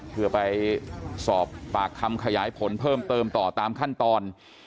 เพื่อไปสอบปากคำขยายผลเพิ่มเติมต่อตามขั้นตอน